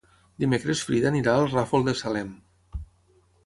Dimecres na Frida anirà al Ràfol de Salem.